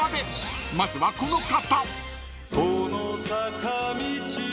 ［まずはこの方］